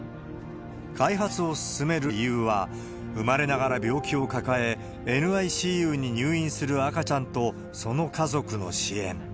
開発を進める理由は、生まれながら病気を抱え、ＮＩＣＵに入院する赤ちゃんと、その家族の支援。